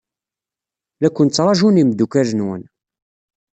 La ken-ttṛaǧun imeddukal-nwen.